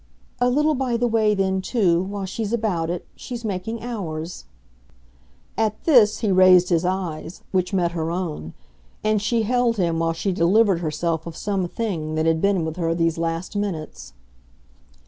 "A little by the way then too, while she's about it, she's making ours." At this he raised his eyes, which met her own, and she held him while she delivered herself of some thing that had been with her these last minutes.